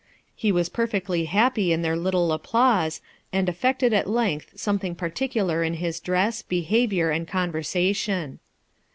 He was perfectly happy in their little applause, and affected at length something particular in his dress, behaviour, and conversation.